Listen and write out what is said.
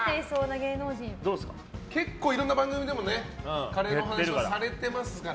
結構いろんな番組でもカレーの話されてますから。